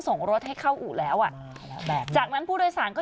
ส่งรถให้เข้าอู่แล้วอ่ะแล้วแบบจากนั้นผู้โดยสารก็